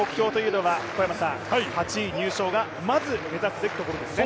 ８位入賞がまず目指すべきところですね。